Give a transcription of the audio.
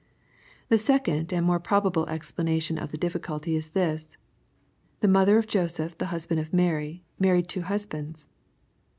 The second, and more probable eiplanation of the difficulty, is this. The mother of Joseph the husband of Mary, married two husbands.